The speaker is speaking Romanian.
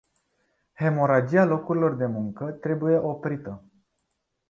Hemoragia locurilor de muncă trebuie oprită.